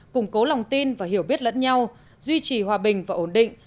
củng cố lòng tin và hiểu biết lẫn nhau duy trì hòa bình và ổn định